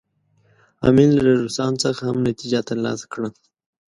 امیر له روسانو څخه هم نتیجه ترلاسه کړه.